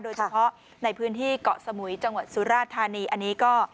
โดยเฉพาะในพื้นที่เกาะสมุยจังหวัดสุราธานีอันนี้ก็